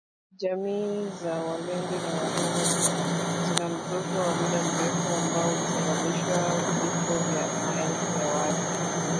Jamii za walendu na wahema zina mzozo, zina mzozo wa muda mrefu ambao ulisababishwa vifo vya maelfu ya watu.